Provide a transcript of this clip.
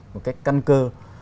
một cách căn cơ